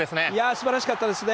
素晴らしかったですね。